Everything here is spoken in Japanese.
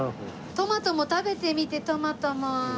トマトも食べてみてトマトも！